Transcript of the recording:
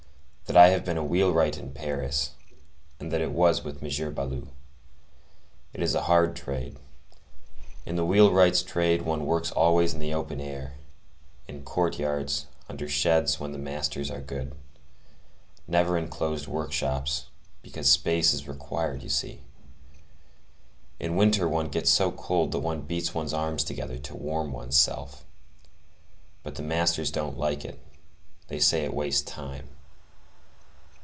That I have been a wheelwright in Paris, and that it was with Monsieur Baloup. It is a hard trade. In the wheelwright's trade one works always in the open air, in courtyards, under sheds when the masters are good, never in closed workshops, because space is required, you see. In winter one gets so cold that one beats one's arms together to warm one's self; but the masters don't like it; they say it wastes time.